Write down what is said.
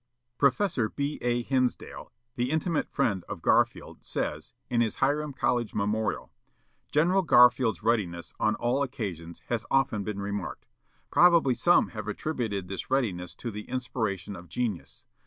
Professor B. A. Hinsdale, the intimate friend of Garfield, says, in his "Hiram College Memorial," "General Garfield's readiness on all occasions has often been remarked. Probably some have attributed this readiness to the inspiration of genius.